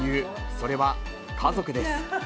それは家族です。